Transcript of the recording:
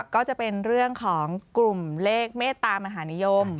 ก็จะเป็นเรื่องของกลุ่มเลขเมตตามหานิยม